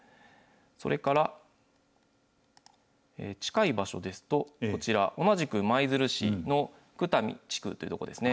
それから近い場所ですと、こちら、同じく舞鶴市の地区という所ですね。